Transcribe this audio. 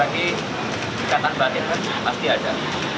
baik lagi ikatan batin pasti ada